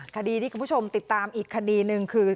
คดีที่คุณผู้ชมติดตามอีกคดีหนึ่งคือ